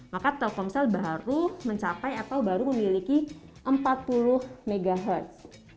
maka telkomsel baru mencapai atau baru memiliki empat puluh mhz